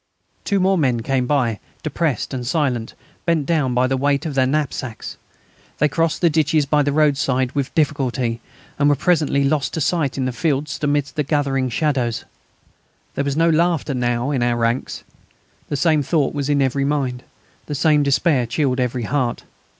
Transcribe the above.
Two more men came by, depressed and silent, bent down by the weight of their knapsacks. They crossed the ditches by the roadside with difficulty, and were presently lost to sight in the fields amidst the gathering shadows. There was no laughter now in our ranks. The same thought was in every mind, the same despair chilled every heart.